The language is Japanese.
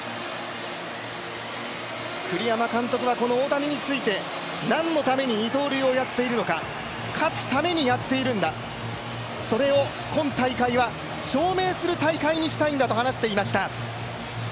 栗山監督はこの大谷について何のために二刀流をやっているのか勝つためにやっているんだ、それを今大会は証明する大会にしたいんだと話していました。